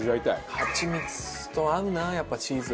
ハチミツと合うなあやっぱりチーズは。